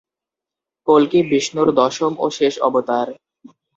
কল্কি বিষ্ণুর দশম ও শেষ অবতার।